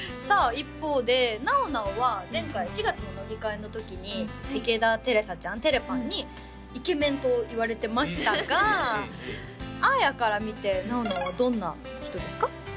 一方でなおなおは前回４月の乃木回の時に池田瑛紗ちゃんてれぱんにイケメンと言われてましたがあーやから見てなおなおはどんな人ですか？